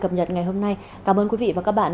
cập nhật ngày hôm nay cảm ơn quý vị và các bạn